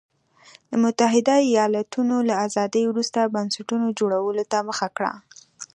د متحده ایالتونو له ازادۍ وروسته بنسټونو جوړولو ته مخه کړه.